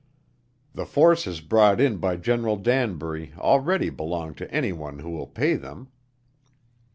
The forces brought in by General Danbury already belong to anyone who will pay them.